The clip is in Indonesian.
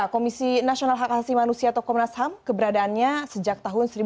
komisi nasional hak asasi manusia atau komnas ham keberadaannya sejak tahun dua ribu sepuluh